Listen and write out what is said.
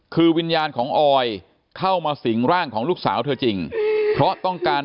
คือวิญญาณของออยเข้ามาสิงร่างของลูกสาวเธอจริงเพราะต้องการ